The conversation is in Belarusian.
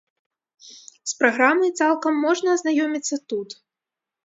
З праграмай цалкам можна азнаёміцца тут.